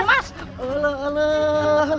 alah alah alah